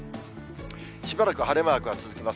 しばらく晴れマークが続きます。